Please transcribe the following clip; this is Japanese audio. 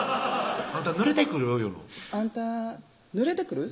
「あんた濡れてくる？」